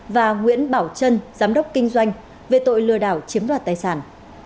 và nguyễn bảo trân giám đốc kinh doanh về tội lừa đảo chiếm đoạt tài sản